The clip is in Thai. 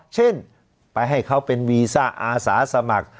เช่นไปให้เขาเป็นวีซ่าอาสาสมัคร